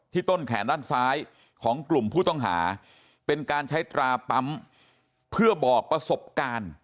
ต้นแขนด้านซ้ายของกลุ่มผู้ต้องหาเป็นการใช้ตราปั๊มเพื่อบอกประสบการณ์